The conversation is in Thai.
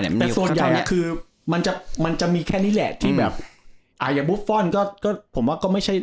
เนี้ยมันมีแค่นี้แหละที่แบบอาหญะบุฟฟอลก็ก็ผมว่าก็ไม่ใช่